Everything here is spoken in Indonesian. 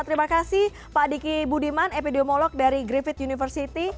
terima kasih pak diki budiman epidemiolog dari griffith university